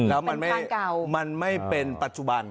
แล้วมันไม่เป็นปัจจุบัน